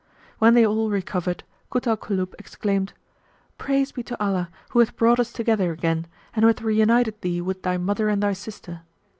When they all recovered, Kut al Kulub exclaimed, "Praise be to Allah who hath brought us together again and who hath reunited thee with thy mother and thy sister!"